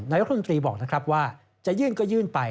รัฐมนตรีบอกนะครับว่าจะยื่นก็ยื่นไป